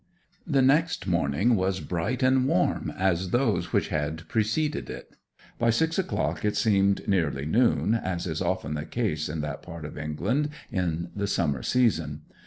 The next morning was bright and warm as those which had preceded it. By six o'clock it seemed nearly noon, as is often the case in that part of England in the summer season.